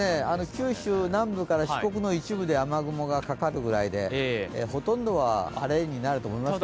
九州南部から四国の一部で雨雲がかかるぐらいでほとんどは晴れになると思います。